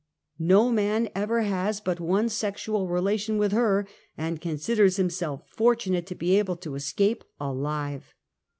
'No man ever has but one sexual relation with her and considers himself fortunate to be able to escape alive.